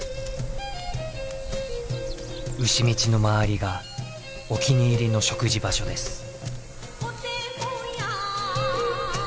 牛道の周りがお気に入りの食事場所です。